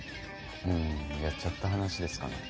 うんやっちゃった話ですかね？